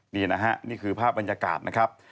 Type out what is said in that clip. นี่นะฮะนี่คือภาพบรรยากาศนะครับ